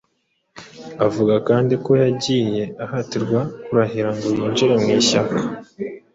Avuga kandi ko yagiye ahatirwa kurahira ngo yinjire mu ishyaka